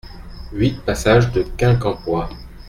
huit passage de Quincampoix